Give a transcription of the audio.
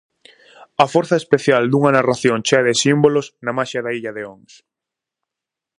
A forza especial dunha narración chea de símbolos na maxia da illa de Ons.